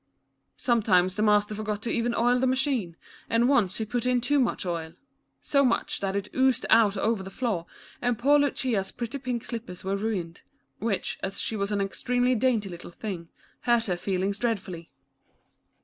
Sometimes the Master forgot to even oil the machine, and once he put in too much oil. So much that it oozed out o\'er the floor, and poor Lucia's pretty pink slippers were ruined, which, as she was an extremely dainty little thing, hurt her feelings dreadfully.